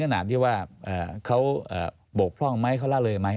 ขนาดที่ว่าเขาบกพร่องไหมเขาละเลยไหม